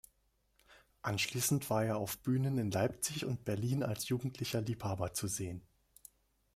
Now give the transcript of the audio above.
Anschließend war er auf Bühnen in Leipzig und Berlin als jugendlicher Liebhaber zu sehen.